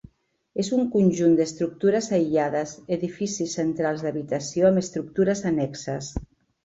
És un conjunt d'estructures aïllades, edificis centrals d'habitació amb estructures annexes.